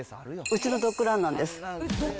うちのドッグランなんです。